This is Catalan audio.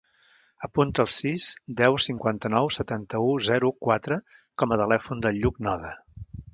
Apunta el sis, deu, cinquanta-nou, setanta-u, zero, quatre com a telèfon del Lluc Noda.